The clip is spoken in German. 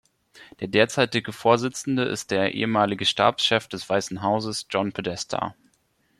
Der derzeitige Vorsitzende ist der ehemalige Stabschef des Weißen Hauses, John Podesta.